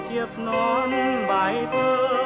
chiếc nón bài thơ